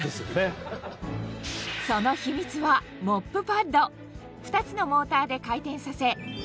その秘密はモップパッド